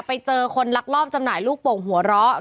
ไปเจอคนลักลอบจำหน่ายลูกโป่งหัวเราะ